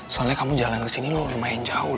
soalnya kamu jalan ke sini lo lumayan jauh